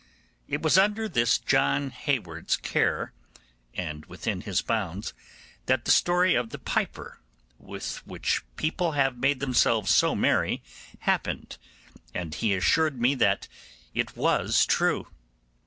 It was under this John Hayward's care, and within his bounds, that the story of the piper, with which people have made themselves so merry, happened, and he assured me that it was true.